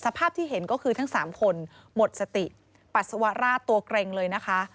ภาพที่เห็นก็คือทั้ง๓คนหมดสติปัสสาวะราดตัวเกร็งเลยนะคะ